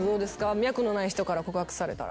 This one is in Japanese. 脈のない人から告白されたら。